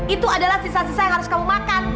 itu adalah sisa sisa yang harus kamu makan